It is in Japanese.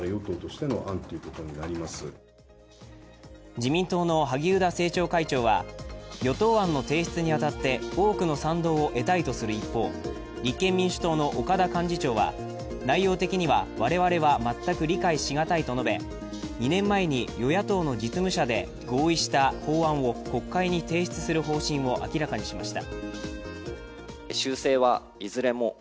自民党の萩生田政調会長は与党案の提出に当たって多くの賛同を得たいとする一方、立憲民主党の岡田幹事長は内容的には我々は全く理解しがたいと述べ、２年前の与野党の実務者で合意した法案を国会に提出する方針を明らかにしました。